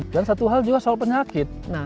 dan satu hal juga soal penyakit